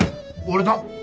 俺だ！